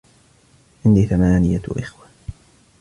عندي ثمانية إخوة.